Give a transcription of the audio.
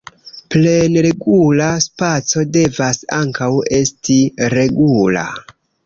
Plene regula spaco devas ankaŭ esti regula.